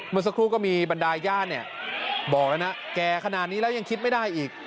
เมื่อสักครู่ก็มีบรรดายญาติเนี่ยบอกแล้วนะแก่ขนาดนี้แล้วยังคิดไม่ได้อีก